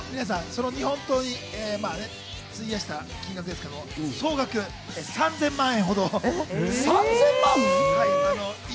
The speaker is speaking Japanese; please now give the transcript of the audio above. ふなさん、日本刀に費やした金額ですけど、総額３０００万円ほど。